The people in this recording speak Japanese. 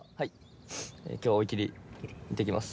今日は追い切り行ってきます。